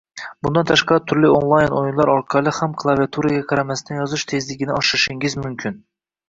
Bundan tashqari turli online o’yinlar orqali ham klaviaturaga qaramasdan yozish tezligingizni oshirishingiz mumkin